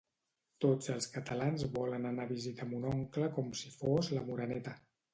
Tots els catalans volen anar a visitar mon oncle com si fos la Moreneta